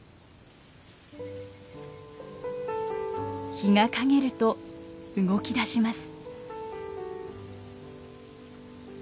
日が陰ると動きだします。